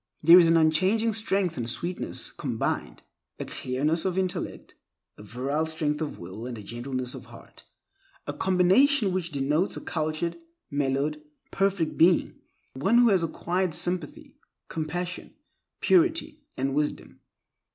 There is an unchanging strength and sweetness combined; a clearness of intellect, a virile strength of will and a gentleness of heart—a combination which denotes a cultured, mellowed, perfected being; one who has acquired sympathy, compassion, purity, and wisdom.